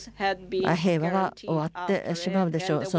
平和は終わってしまうでしょう。